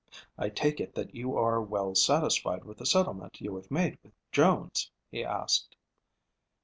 "I take it that you are well satisfied with the settlement you have made with Jones?" he asked.